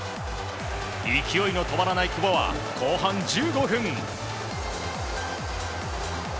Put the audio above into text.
勢いの止まらない久保は後半１５分。